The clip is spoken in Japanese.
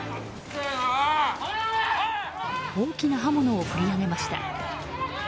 大きな刃物を振り上げました。